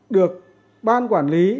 được ban quản lý